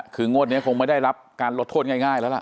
คืองวดนี้คงไม่ได้รับการลดทดง่ายละ